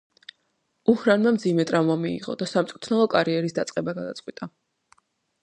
უჰრინმა მძიმე ტრავმა მიიღო და სამწვრთნელო კარიერის დაწყება გადაწყვიტა.